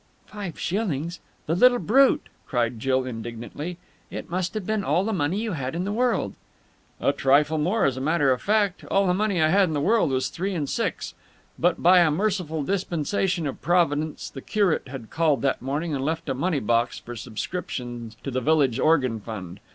"Five shillings! The little brute!" cried Jill indignantly. "It must have been all the money you had in the world!" "A trifle more, as a matter of fact. All the money I had in the world was three and six. But by a merciful dispensation of Providence the curate had called that morning and left a money box for subscriptions to the village organ fund....